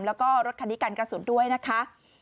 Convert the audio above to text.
แล้วก็รถคันนี้กันกระสุนด้วยนะคะ